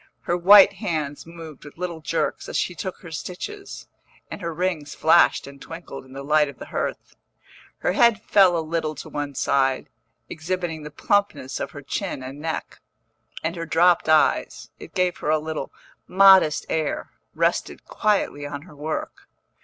Her white hands moved with little jerks as she took her stitches, and her rings flashed and twinkled in the light of the hearth. Her head fell a little to one side, exhibiting the plumpness of her chin and neck, and her dropped eyes (it gave her a little modest air) rested quietly on her work.